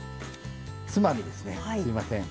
つまみですねすみません。